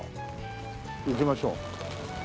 行きましょう。